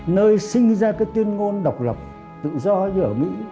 nơi sinh ra cái tuyên ngôn độc lập tự do như ở mỹ